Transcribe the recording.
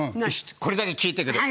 これだけは聞いてくれ。